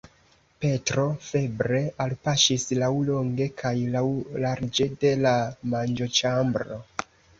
Petro febre alpaŝis laŭlonge kaj laŭlarĝe de la manĝoĉambro.